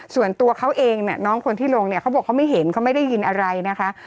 ส่วนตัวเขาเองเนี่ยน้องคนที่ลงเนี่ยเขาบอกเขาไม่เห็นเขาไม่ได้ยินอะไรนะคะ